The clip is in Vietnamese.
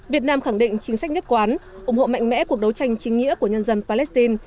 việt nam khẳng định chính sách nhất quán ủng hộ mạnh mẽ cuộc đấu tranh chính nghĩa của nhân dân palestine